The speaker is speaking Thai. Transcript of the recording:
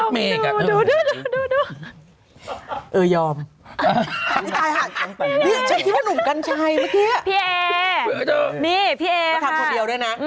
มาทำคนเดียวด้วยนะ